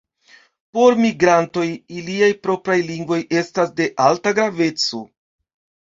Por migrantoj iliaj propraj lingvoj estas de alta graveco.